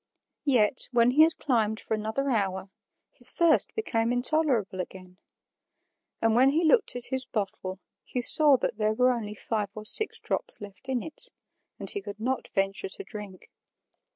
Yet, when he had climbed for another hour, his thirst became intolerable again; and when he looked at his bottle, he saw that there were only five or six drops left in it, and he could not venture to drink.